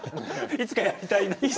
いつかやりたいなと？